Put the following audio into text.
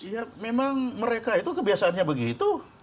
ya memang mereka itu kebiasaannya begitu